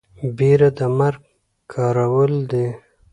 بيره د مرگ کرول دي.